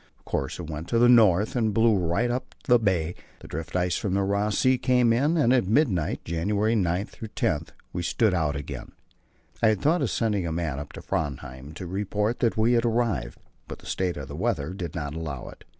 Of course it went to the north and blew right up the bay; the drift ice from Ross Sea came in, and at midnight (January 9 10) we stood out again. I had thought of sending a man up to Framheim to report that we had arrived, but the state of the weather did not allow it.